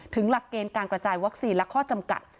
หลักเกณฑ์การกระจายวัคซีนและข้อจำกัด